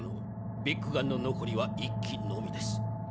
ビッグ・ガンの残りは１基のみです。